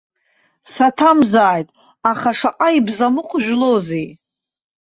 Саҭамзааит, аха шаҟа ибзамыҟә жәлоузеи!